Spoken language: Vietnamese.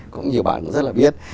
cũng nhiều bạn cũng rất là biết